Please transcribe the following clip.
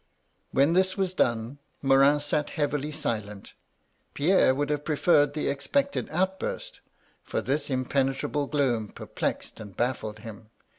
When this was done, Morin sat heavily silent. Pierre would have preferred the expected outburst, for this impene trable gloom perplexed and baflBed him.